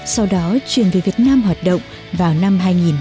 sau đó chuyển về việt nam hoạt động vào năm hai nghìn một mươi